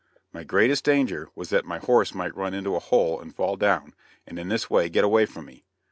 My greatest danger was that my horse might run into a hole and fall down, and in this way get away from me.